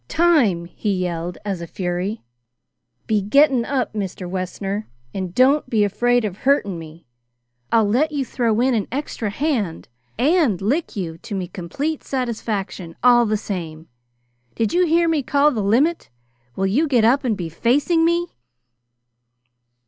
"Time!" he yelled as a fury. "Be getting up, Mr. Wessner, and don't be afraid of hurting me. I'll let you throw in an extra hand and lick you to me complate satisfaction all the same. Did you hear me call the limit? Will you get up and be facing me?"